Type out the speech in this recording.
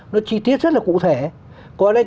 nó chi tiết rất là cụ thể còn ở đây